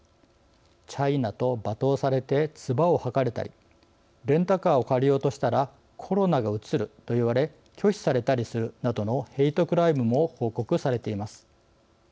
「チャイナ」と罵倒されて唾を吐かれたりレンタカーを借りようとしたら「コロナがうつる」と言われ拒否されたりするなどのヘイトクライムも報告されています。